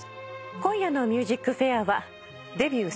今夜の『ＭＵＳＩＣＦＡＩＲ』はデビュー。